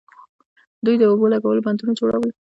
دوی د اوبو لګولو بندونه جوړول